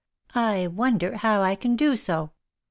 I wonder how I can do so!